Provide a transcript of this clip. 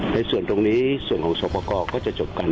ในส่วนตรงนี้ส่วนของสอบประกอบก็จะจบกัน